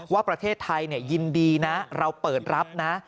ว่าประเทศไทยยินดีนะเราเปิดรับนะ